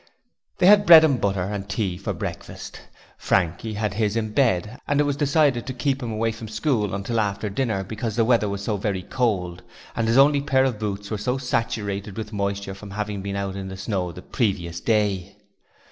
They had bread and butter and tea for breakfast. Frankie had his in bed and it was decided to keep him away from school until after dinner because the weather was so very cold and his only pair of boots were so saturated with moisture from having been out in the snow the previous day.